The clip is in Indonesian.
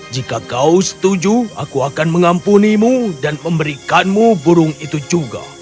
jika kau setuju aku akan mengampunimu dan memberikanmu burung itu juga